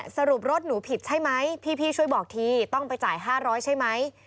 สรุปรถหนูผิดใช่ไหมพี่ช่วยบอกทีต้องไปจ่าย๕๐๐ใช่ไหม